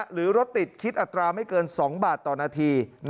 หรือรถติดคิดอัตราไม่เกิน๒บาทต่อนาที